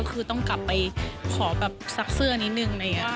คือต้องกลับไปขอแบบซักเสื้อนิดนึงอะไรอย่างนี้